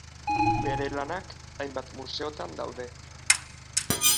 Bere lanak hainbat museotan daude.